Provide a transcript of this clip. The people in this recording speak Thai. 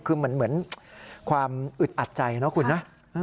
คือเหมือนความอึดอัดใจนะคุณนะ